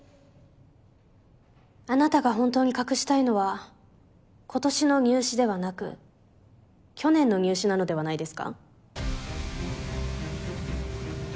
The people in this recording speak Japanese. あなたが本当に隠したいのは「今年の入試」ではなく「去年の入試」なのではないですか？